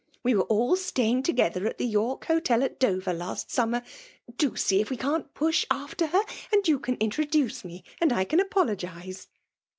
We were all staying together at the York Hotel at Dover last summer. Do see if we can*t push after her, and you can introduce me, and I can apologize.